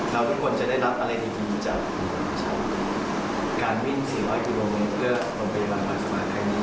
ที่สุดเท่าที่อยากทำได้